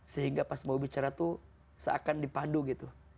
sehingga pas mau bicara tuh seakan dipandu gitu